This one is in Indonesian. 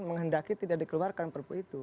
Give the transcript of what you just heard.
menghendaki tidak dikeluarkan perpu itu